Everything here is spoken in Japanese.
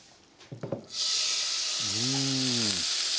うん。